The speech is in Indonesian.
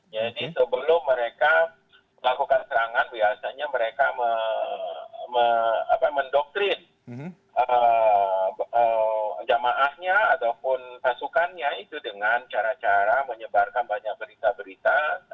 jadi sebelum mereka melakukan serangan biasanya mereka mendoktrin jamaahnya ataupun pasukannya itu dengan cara cara menyebarkan banyak berita berita